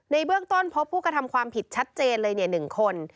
เบื้องต้นพบผู้กระทำความผิดชัดเจนเลย๑คน